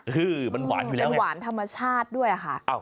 เป็นหวานธรรมชาติด้วยค่ะ